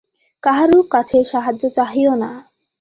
কাহারও কাছে সাহায্য চাহিও না।